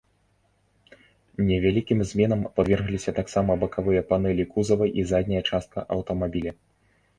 Невялікім зменам падвергліся таксама бакавыя панэлі кузава і задняя частка аўтамабіля.